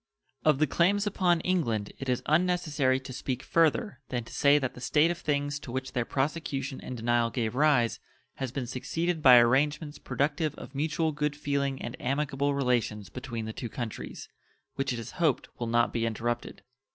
Of the claims upon England it is unnecessary to speak further than to say that the state of things to which their prosecution and denial gave rise has been succeeded by arrangements productive of mutual good feeling and amicable relations between the two countries, which it is hoped will not be interrupted.